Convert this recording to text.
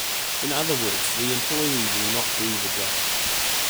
In other words, the employee will not do the job.